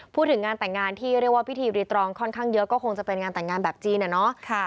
พูดถึงงานแต่งงานที่เรียกว่าพิธีรีตรองค่อนข้างเยอะก็คงจะเป็นงานแต่งงานแบบจีนอะเนาะ